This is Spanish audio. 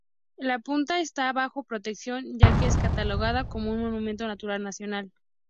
La punta está bajo protección ya que es catalogada como un monumento natural nacional.